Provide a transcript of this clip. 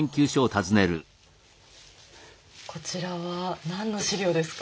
こちらは何の史料ですか？